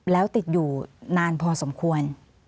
แล้วติดอยู่นานพอสมควร